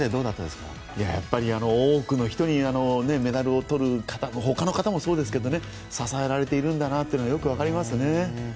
やっぱり多くの人にメダルを取る方はほかの方もそうですけど支えられているんだなというのがよくわかりますね。